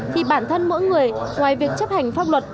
thì bản thân mỗi người ngoài việc chấp hành pháp luật